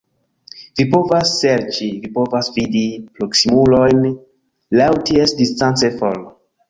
Vi povas serĉi... vi povas vidi proksimulojn laŭ ties distance for